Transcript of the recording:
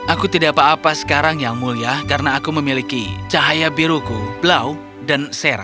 aku tidak apa apa sekarang yang mulia karena aku memiliki cahaya biruku blau dan sera